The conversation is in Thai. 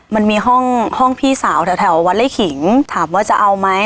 มันมีห้องห้องพี่สาวแถววัดไล่ขิงถามว่าจะเอาไหม